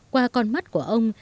qua con mắt của ông